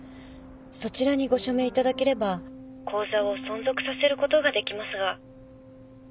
そちらにご署名いただければ口座を存続させることができますが。